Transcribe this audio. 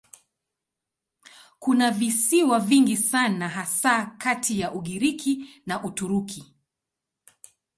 Kuna visiwa vingi sana hasa kati ya Ugiriki na Uturuki.